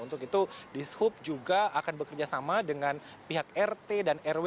untuk itu dinas perhubungan dki jakarta juga akan bekerjasama dengan pihak rt dan rw